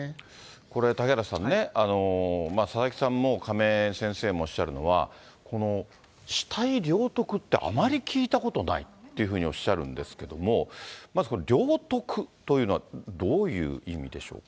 これ嵩原さんね、佐々木さんも亀井先生もおっしゃるのは、この死体領得ってあまり聞いたことないっていうふうにおっしゃるんですけども、まずこの領得というのはどういう意味でしょうか。